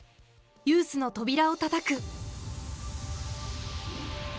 ユースの扉をたたく。